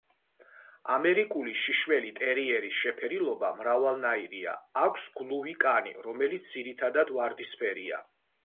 ამერიკული შიშველი ტერიერის შეფერილობა მრავალნაირია, აქვს გლუვი კანი, რომელიც ძირითადად ვარდისფერია.